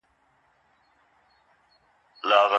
د کلتوري اړیکو پراختیا ولسونه سره نږدې کوي.